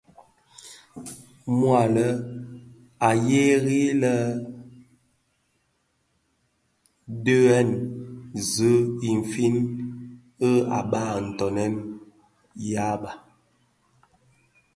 Mua a lè a gheri lè dhib a bhen i zi infin i bagha ntoňèn dhyaba.